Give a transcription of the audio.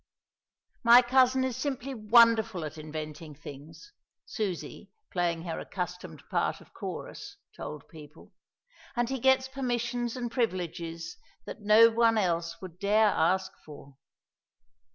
"My cousin is simply wonderful at inventing things," Susie, playing her accustomed part of chorus, told people, "and he gets permissions and privileges that no one else would dare ask for."